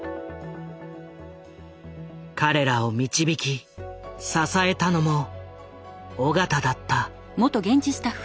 彼らを導き支えたのも緒方だった。